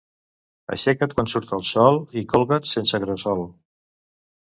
Aixeca't quan surt el sol i colgat sense gresol.